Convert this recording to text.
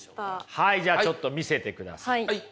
はいじゃあちょっと見せてください。